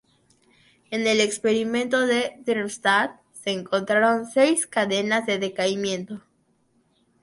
En el experimento de Darmstadt se encontraron seis cadenas de decaimiento.